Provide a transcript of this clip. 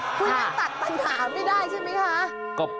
คุณยังตัดตันหาไม่ได้ใช่มั้ยคะ